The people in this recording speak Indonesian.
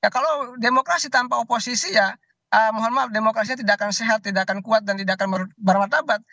kalau demokrasi tanpa oposisi ya mohon maaf demokrasinya tidak akan sehat tidak akan kuat dan tidak akan bermartabat